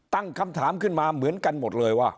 ตั้งคำถามขึ้นมาเหมือนกันหมดเลยว่า